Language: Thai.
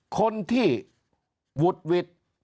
คนที่หวุดหวิด